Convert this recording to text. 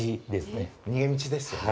逃げ道ですね。